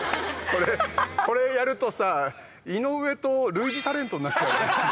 これやるとさ井上と類似タレントになっちゃう。